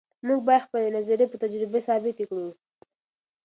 موږ باید خپلې نظریې په تجربه ثابتې کړو.